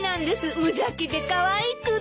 無邪気でかわいくて。